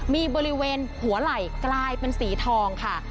มีบริเวณหัวไหล่กลายเป็นสีทองค่ะ